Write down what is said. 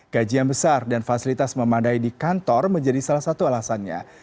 gaji yang besar dan fasilitas memadai di kantor menjadi salah satu alasannya